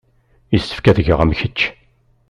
Yessefk ad geɣ am kečč.